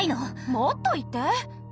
もっと言って。